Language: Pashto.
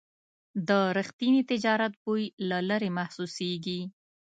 د رښتیني تجارت بوی له لرې محسوسېږي.